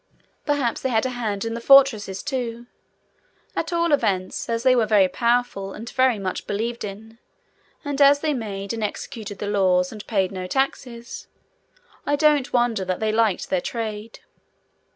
Perhaps they had a hand in the fortresses too; at all events, as they were very powerful, and very much believed in, and as they made and executed the laws, and paid no taxes, I don't wonder that they liked their trade.